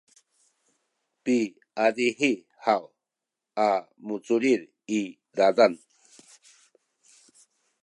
piazihi haw a muculil i zazan